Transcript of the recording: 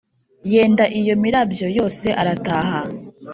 yenda iyo mirabyo yose arataha